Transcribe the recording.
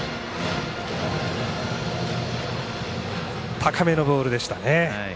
高めのボールでしたね。